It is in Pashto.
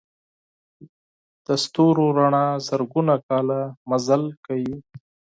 د ستورو رڼا زرګونه کاله مزل کوي.